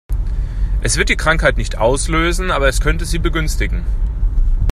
Es wird die Krankheit nicht auslösen, aber es könnte sie begünstigen.